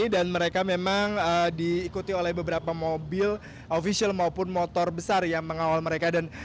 mereka memang diikuti oleh beberapa mobil official maupun motor besar yang mengawal mereka